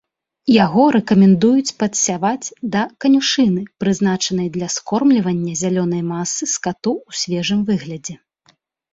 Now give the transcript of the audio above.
Яго рэкамендуюць падсяваць да канюшыны, прызначанай для скормлівання зялёнай масы скату ў свежым выглядзе.